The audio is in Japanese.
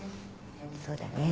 そうだね。